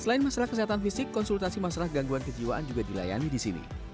selain masalah kesehatan fisik konsultasi masalah gangguan kejiwaan juga dilayani di sini